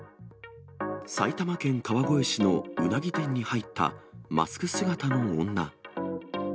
埼玉県川越市のうなぎ店に入ったマスク姿の女。